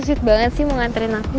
mas susit banget sih mau ngantarin aku